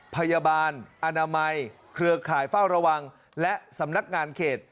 พยาบาลอนามัยเครือข่ายเฝ้าระวังและสำนักงานเขต